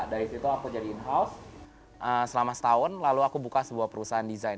dari situ aku jadi in house selama setahun lalu aku buka sebuah perusahaan desain